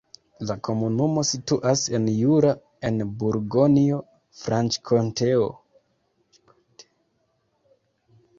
La komunumo situas en Jura, en Burgonjo-Franĉkonteo.